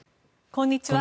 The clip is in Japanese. こんにちは。